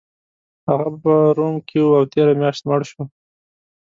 هغه په روم کې و او تیره میاشت مړ شو